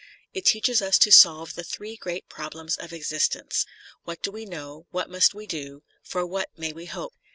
It teaches us to solve the three great problems of existence. What do we know — what must we do — ^for what may we hope